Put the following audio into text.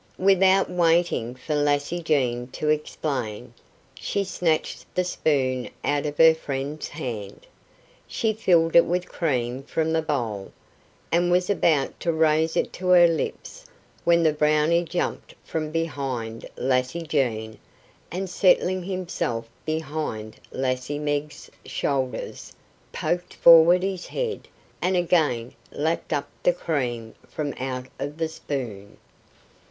Without waiting for Lassie Jean to explain, she snatched the spoon out of her friend's hand. She filled it with cream from the bowl, and was about to raise it to her lips when the Brownie jumped from behind Lassie Jean, and settling himself behind Lassie Meg's shoulders, poked forward his head, and again lapped up the cream from out of the spoon.